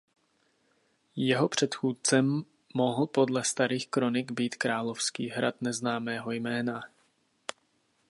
Jeho předchůdcem mohl podle starých kronik být královský hrad neznámého jména.